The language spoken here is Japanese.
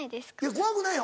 怖くないよ